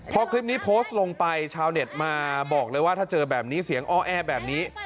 พอคลิปนี้โพสต์ลงไปชาวเน็ตมาบอกเลยว่าถ้าเจอแบบนี้เสียงอ้อแอแบบนี้